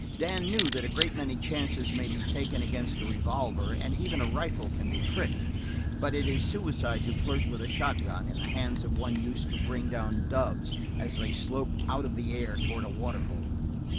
Dan knew that a great many chances may be taken against a revolver and even a rifle can be tricked, but it is suicide to flirt with a shotgun in the hands of one used to bring down doves as they sloped out of the air toward a water hole.